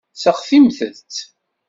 Seɣtimt-tt.